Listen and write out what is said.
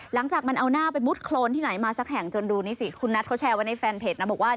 หลังจากมันเอาหน้าไปมุดโครนที่ไหนมาสักแห่งจนดูนี่สิคุณนัทเขาแชร์ไว้ในแฟนเพจนะบอกว่า